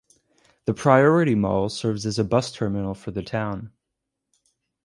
The Priority Mall serves as a bus terminal for the town.